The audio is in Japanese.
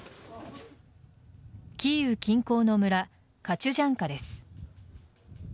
キーウ近郊の村カチュジャンカです。